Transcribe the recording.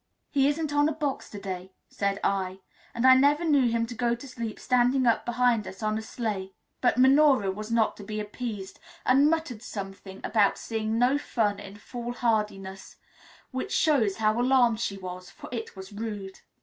"He isn't on a box to day," said I; "and I never knew him to go to sleep standing up behind us on a sleigh." But Minora was not to be appeased, and muttered something about seeing no fun in foolhardiness, which shows how alarmed she was, for it was rude.